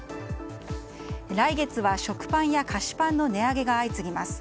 来月は、食パンや菓子パンの値上げが相次ぎます。